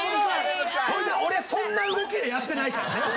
俺そんな動きでやってないからね。